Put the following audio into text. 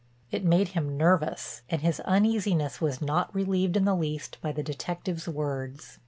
It made him nervous and his uneasiness was not relieved in the least by the detective's words.